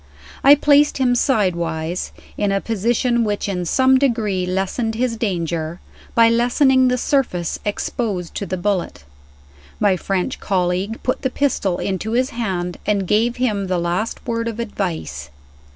I placed him sidewise, in a position which in some degree lessened his danger, by lessening the surface exposed to the bullet. My French colleague put the pistol into his hand, and gave him the last word of advice.